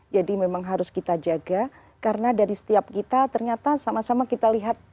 jadi memang harus kita jaga karena dari setiap kita ternyata sama sama kita lihat